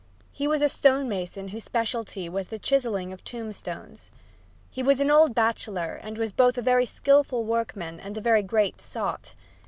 He was a stone mason whose specialty was the chiseling of tombstones. He was an old bachelor and was both a very skilful workman and a very great sot.